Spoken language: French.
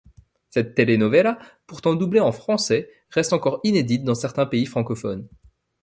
Cette telenovela pourtant doublée en français reste encore inédite dans certains pays francophones.